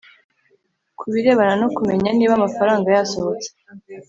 ku birebana no kumenya niba amafaranga yasohotse